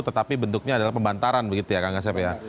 tetapi bentuknya adalah pembantaran begitu ya kang asep ya